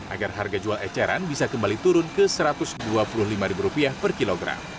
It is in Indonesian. agar harga jual eceran bisa kembali turun ke rp satu ratus dua puluh lima per kilogram